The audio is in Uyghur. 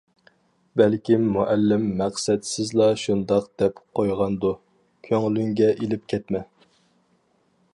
-بەلكىم مۇئەللىم مەقسەتسىزلا شۇنداق دەپ قويغاندۇ، كۆڭلۈڭگە ئېلىپ كەتمە.